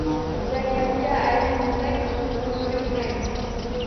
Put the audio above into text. Jamiyatga aylanmasak, tutqunlikka uchraymiz